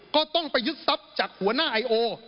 ก็ต้องไปยึดทรัพย์จากหัวหน้าไอโอ